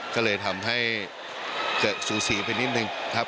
ก็เลยทำให้เกิดสูสีไปนิดนึงครับ